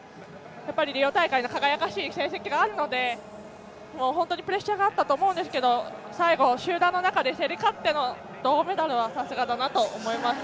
リオ大会の輝かしい成績があるので本当にプレッシャーがあったと思いますが最後、集団の中で競り勝って銅メダルはさすがだなと思いました。